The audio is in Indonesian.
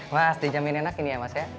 mas dijamin enak ini ya mas ya